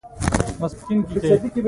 کتابچه د راتلونکې لپاره زېرمه ده